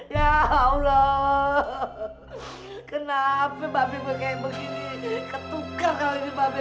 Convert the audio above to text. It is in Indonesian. hai hai hai hai hai hai hai ya allah kenapa babi begini ketuker kalau ini babi